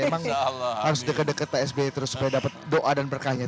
emang harus deket deket pak sby terus supaya dapat doa dan berkahnya